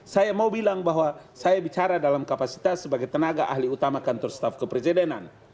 saya mau bilang bahwa saya bicara dalam kapasitas sebagai tenaga ahli utama kantor staf kepresidenan